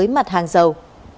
đối với mặt hàng dầu